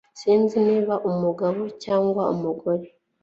Sinzi niba umugabo cyangwa umugore